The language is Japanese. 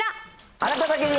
あなただけに！